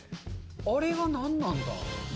あれは何なんだ？